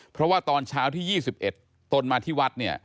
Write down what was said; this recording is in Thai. เพราะว่าตอนเช้าที่๒๑ตนมาที่วัดเนี่ย